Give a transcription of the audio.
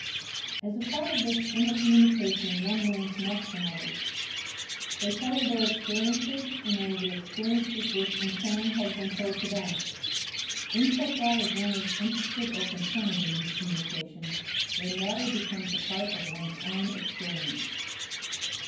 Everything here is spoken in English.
As a part of this intercommunication one learns much from others. They tell of their experiences and of the experiences which, in turn, have been told them. In so far as one is interested or concerned in these communications, their matter becomes a part of one's own experience.